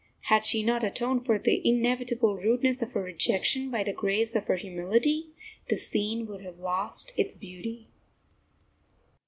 Had she not atoned for the inevitable rudeness of her rejection by the grace of her humility, the scene would have lost its beauty.